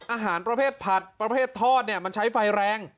อาหารประเภทผัดประเภททอดเนี่ยมันใช้ไฟแรง